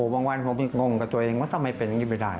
วันผมงงกับตัวเองว่าทำไมเป็นอย่างนี้ไปได้